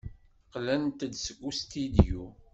Qqlent-d seg ustidyu.